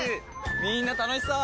みんな楽しそう！